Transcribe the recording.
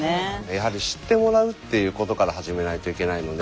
やはり知ってもらうっていうことから始めないといけないので。